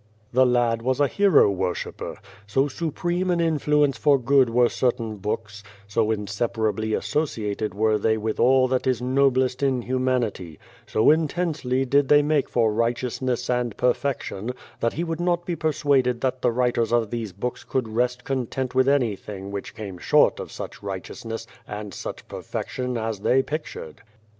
" The lad was a hero worshipper. So supreme an influence for good were certain books ; so inseparably associated were they with all that is noblest in humanity ; so in tensely did they make for righteousness and perfection, that he would not be persuaded that the writers of these books could rest content with anything which came short of such righteousness and such perfection as they pictured.